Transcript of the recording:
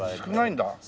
少ないんだ。